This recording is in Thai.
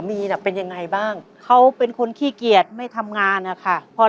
ลูกเป็นยังไงบ้างแล้วมันเกิดขึ้นได้ยังไงอ่ะพี่